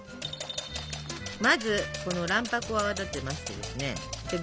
まずこの卵白を泡立てましてですねで